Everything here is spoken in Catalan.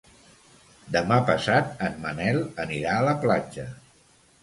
Demà passat en Manel anirà a la platja.